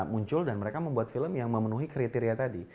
muncul dan mereka membuat film yang memenuhi kriteria tadi